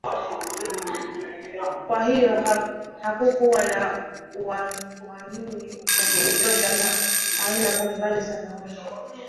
Kwa hiyo hakukuwa na uanuwai wa kutosha na aina mbalimbali za maoni